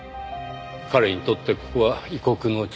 彼にとってここは異国の地。